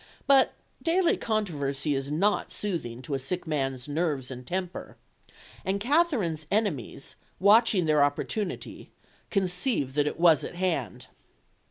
But daily controversy is not soothing to a sick man's nerves and temper, and Katherine's enemies, watching their opportunity, conceived that it was at hand.